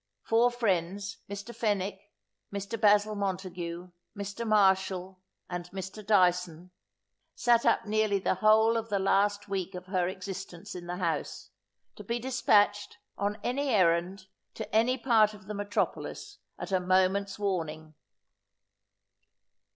Four friends, Mr. Fenwick, Mr. Basil Montagu, Mr. Marshal, and Mr. Dyson, sat up nearly the whole of the last week of her existence in the house, to be dispatched, on any errand, to any part of the metropolis, at a moment's warning.